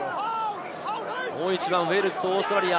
大一番、ウェールズとオーストラリア。